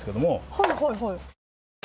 はいはいはい。